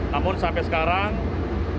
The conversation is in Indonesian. namun sampai sekarang harus